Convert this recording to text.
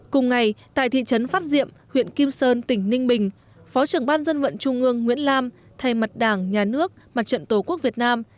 cùng ngày tại thị trấn phát diệm huyện kim sơn tỉnh ninh bình phó trưởng ban dân vận trung ương nguyễn lam thay mặt đảng nhà nước mặt trận tổ quốc việt nam